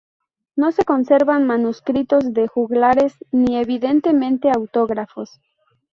No se conservan manuscritos de juglares ni, evidentemente, autógrafos.